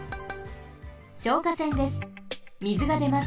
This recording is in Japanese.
消火栓です。